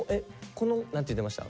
この何て言ってました？